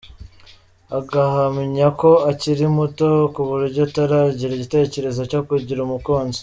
Agahamya ko akiri muto kuburyo ataragira igitekerezo cyo kugira umukunzi.